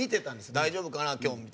「大丈夫かなきょん」みたいな。